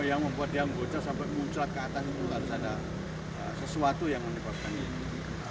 yang membuat dia bocor sampai muncul ke atas itu harus ada sesuatu yang menyebabkan ini